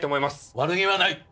悪気はない。